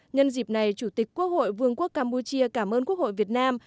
nhân dịp này chủ tịch quốc hội vương quốc campuchia cảm ơn quốc hội việt nam